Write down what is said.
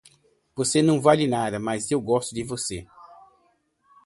Você não vale nada, mas eu gosto de você